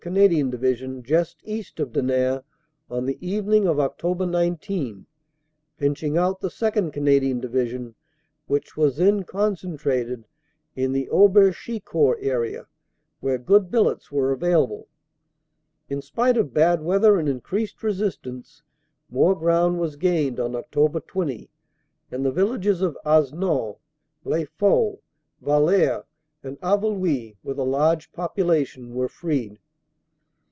Canadian Division just east of Denain, on the evening of Oct. 19, pinching out the 2nd. Cana dian Division, which was then concentrated in the Auberchi court area, where good billets were available. "In spite of bad weather and increased resistance more ground was gained on Oct. 20, and the villages of Hasnon, Les Faux, Wallers and Haveluy, with a large population, were freed.